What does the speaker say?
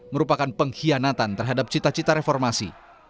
merupakan pengkhianatan terhadap cita cita reformasi